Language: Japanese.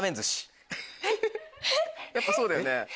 やっぱそうだよね？